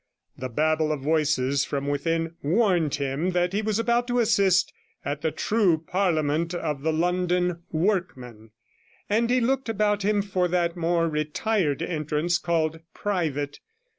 The babble of voices from within warned him that he was about to assist at the true parliament of the London workman, and he looked about him for that more retired entrance called private.